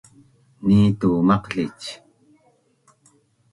Nitu maqlic